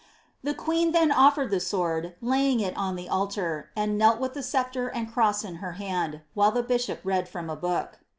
The queen then oflered the sword, laying it on the altar, and knelt with the sceptre and cross in her hand, while the bishop read from a book.